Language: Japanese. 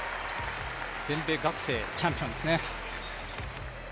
全米学生チャンピオンですね。